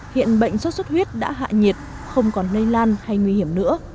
hiện bệnh xuất xuất huyết đã hạ nhiệt không còn nây lan hay nguy hiểm nữa